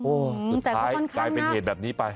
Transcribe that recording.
สุดท้ายกลายเป็นเหตุแบบนี้ไป